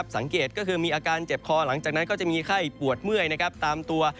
สังเกตก็คือมีอาการเจ็บคอหลังจากนั้นก็จะมีไข้ปวดเมื่อยตามตัว